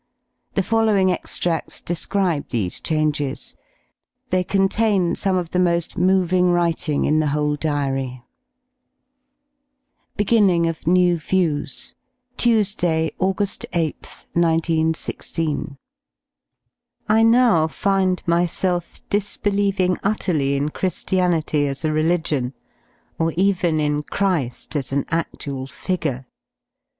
The following extrads describe these changes. They contain some of the most moving writing in the whole Diary* ^6 BEGINNING OF NEW VIEWS Tuesday, August 8th, 19 16. I now find myself disbelieving utterly in Chri^ianity as a religion, or even in Chri^ as an a(Slual figure.